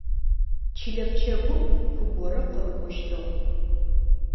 Чылэ пчэгум ку горэ къырыкӏощтыгъ.